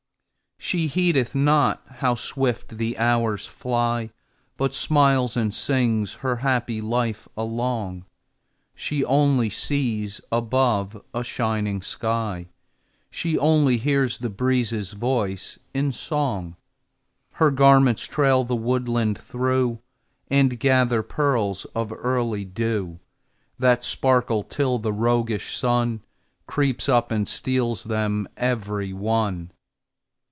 She heedeth not how swift the hours fly, But smiles and sings her happy life along; She only sees above a shining sky; She only hears the breezes' voice in song. Her garments trail the woodland through, And gather pearls of early dew That sparkle till the roguish Sun Creeps up and steals them every one.